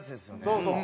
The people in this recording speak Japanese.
そうそう！